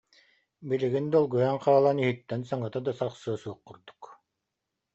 Билигин долгуйан хаалан иһиттэн саҥата да тахсыа суох курдук